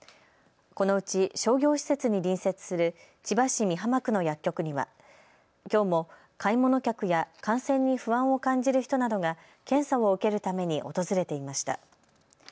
このうち商業施設に隣接する千葉市美浜区の薬局にはきょうも買い物客や感染に不安を感じる人などが検査を受けるために訪れていました。